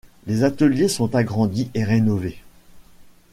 Les ateliers sont agrandis et rénovés.